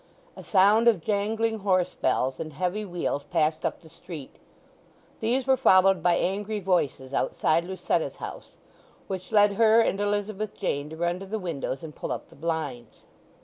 A sound of jangling horse bells and heavy wheels passed up the street. These were followed by angry voices outside Lucetta's house, which led her and Elizabeth Jane to run to the windows, and pull up the blinds.